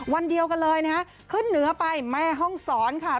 วันเดียวกันเลยนะฮะขึ้นเหนือไปแม่ห้องศรค่ะ